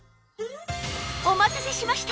お待たせしました！